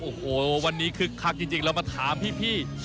โอ้โหวันนี้คึกคักจริงเรามาถามพี่